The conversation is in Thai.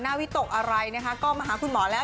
น่าวิตกอะไรก็มาหาคุณหมอแล้ว